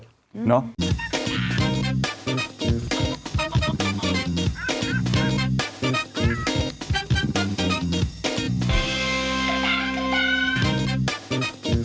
โปรดติดตามตอนต่อไป